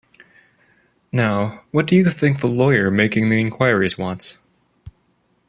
Now, what do you think the lawyer making the inquiries wants?